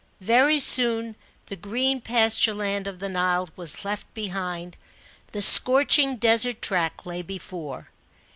Very soon the green pasture land of the Nile was left behind ; the scorching desert track lay before.